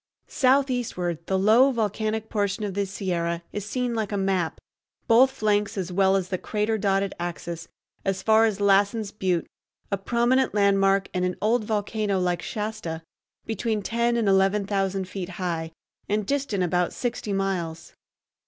Southeastward, the low volcanic portion of the Sierra is seen like a map, both flanks as well as the crater dotted axis, as far as Lassen's Butte, a prominent landmark and an old volcano like Shasta, between ten and eleven thousand feet high, and distant about sixty miles.